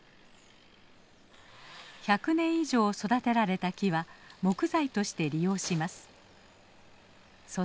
１００年以上育てられた木は木材として利用します。